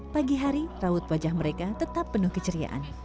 pagi hari raut wajah mereka tetap penuh keceriaan